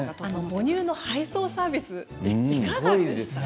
母乳の配送サービスいかがですか？